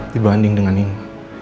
dibanding dengan ini